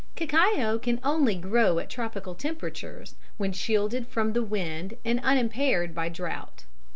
_ Cacao can only grow at tropical temperatures, and when shielded from the wind and unimpaired by drought.